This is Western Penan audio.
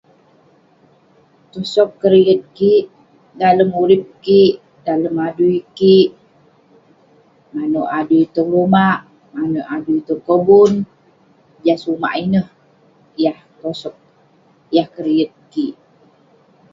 tosog keriyet kik dalem urip kik, dalem adui kik, manouk adui tong lumak, manouk adui tong kobun, juk sumak ineh..yah tosog yah keriyet kik